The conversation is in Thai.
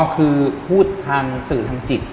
คือพูดทางสื่อทางจิต